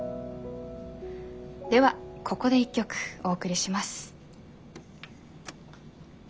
ではここで一曲お送りします。